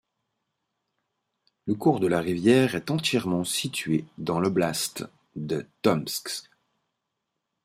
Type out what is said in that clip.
Le cours de la rivière est entièrement situé dans l'oblast de Tomsk.